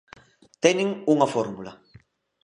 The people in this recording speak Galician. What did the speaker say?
Teñen unha fórmula.